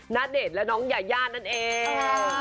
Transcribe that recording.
ณเดชน์และน้องยายานั่นเอง